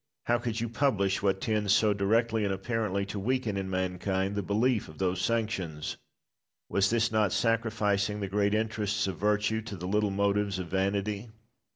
How could you publish what tends so directly and apparently to weaken in mankind the belief of those sanctions? Was not this sacrificing the great interests of virtue to the little motives of vanity?